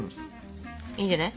いいんじゃない？